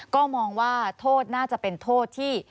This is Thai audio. ก็มองว่าโทษน่าจะเป็นโทษที่